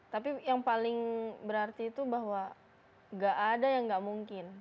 tapi yang paling berarti itu bahwa gak ada yang nggak mungkin